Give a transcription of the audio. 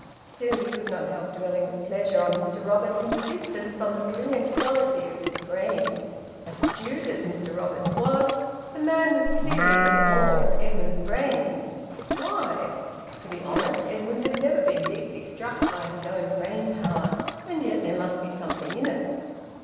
Still, he could not help dwelling with pleasure on Mr Roberts's insistence on the brilliant quality of his brains. Astute as Mr Roberts was, the man was clearly in awe of Edwin's brains! Why? To be honest, Edwin had never been deeply struck by his own brain power. And yet there must be something in it!